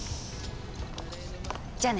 じゃあね。